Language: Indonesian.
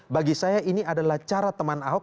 bagi saya ini adalah cara teman ahok